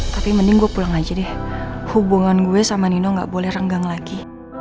tapi mending gue pulang aja deh hubungan gue sama nino gak boleh renggang lagi